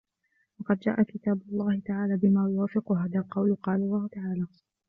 وَقَدْ جَاءَ كِتَابُ اللَّهِ تَعَالَى بِمَا يُوَافِقُ هَذَا الْقَوْلَ وَقَالَ اللَّهُ تَعَالَى